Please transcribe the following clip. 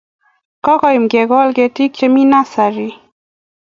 Kokoyam kekol ketik che mi nursery